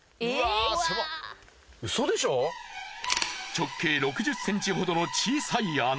直径６０ｃｍほどの小さい穴。